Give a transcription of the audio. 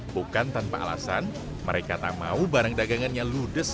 bukan tanpa alasan mereka tak mau barang dagangannya ludes